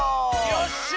よっしゃ！